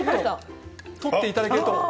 取っていただけると。